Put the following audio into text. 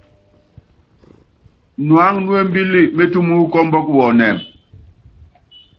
Nuáŋu nú embíli métúm wu kɔ́ɔmbɔk wɔnɛ́m.